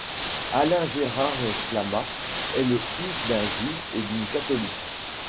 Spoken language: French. Alain-Gérard Slama est le fils d'un juif et d'une catholique.